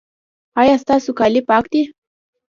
ایا ستاسو کالي پاک دي؟